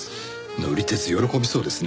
乗り鉄喜びそうですね。